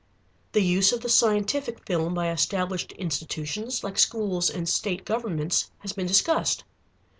The use of the scientific film by established institutions like schools and state governments has been discussed.